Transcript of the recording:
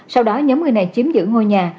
sau đó nhóm người này chiếm giữ ngôi nhà